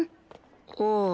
ああ。